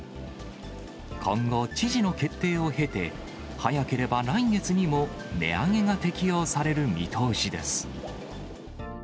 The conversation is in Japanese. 今後、知事の決定を経て、早ければ来月にも値上げが適用される見通しです。